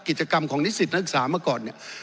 กิจกรรมของนิสิตนักศึกษามาก่อนเนี่ย